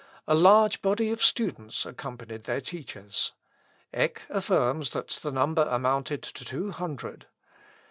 A large body of students accompanied their teachers. Eck affirms that the number amounted to two hundred.